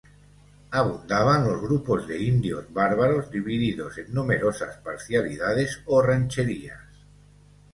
Abundaban los grupos de indios bárbaros divididos en numerosas parcialidades o rancherías.